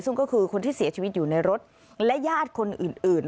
ซึ่งก็คือคนที่เสียชีวิตอยู่ในรถและญาติคนอื่น